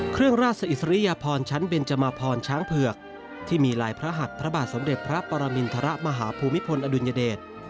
เครื่องราชอิสริยพรชั้นเบนจมพรช้างเผือกที่มีลายพระหัสพระบาทสมเด็จพระปรมินทรมาฮภูมิพลอดุลยเดช